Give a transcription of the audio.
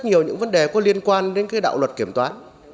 rất nhiều những vấn đề có liên quan đến cái đạo luật kiểm toán